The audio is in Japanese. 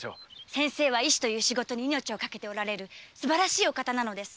先生は医師という仕事に命をかけているすばらしいお方です。